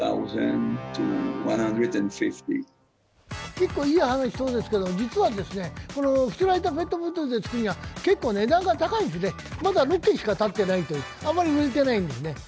結構いい話そうですけど実は捨てられたペットボトルで造るには結構値段が高いですね、まだ６軒しか建てられてない、あんまり売れてないんですね。